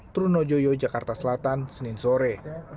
trunojoyo jakarta selatan senin sore